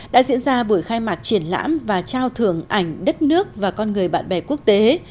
đã diễn ra buổi khai mạc triển lãm và trao thưởng ảnh đất nước và con người bạn bè quốc tế